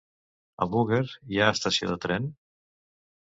A Búger hi ha estació de tren?